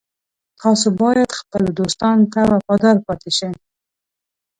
تاسو باید خپلو دوستانو ته وفادار پاتې شئ